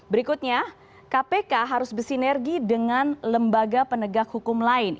berikutnya kpk harus bersinergi dengan lembaga penegak hukum lain